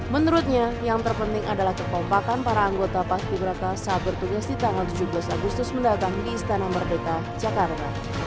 menurutnya yang terpenting adalah kekompakan para anggota paski beraka saat bertugas di tanggal tujuh belas agustus mendatang di istana merdeka jakarta